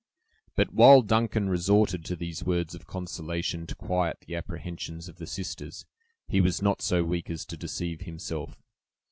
But while Duncan resorted to these words of consolation to quiet the apprehensions of the sisters, he was not so weak as to deceive himself.